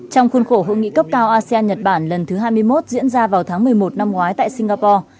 trong khuôn khổ hội nghị cấp cao asean nhật bản lần thứ hai mươi một diễn ra vào tháng một mươi một năm ngoái tại singapore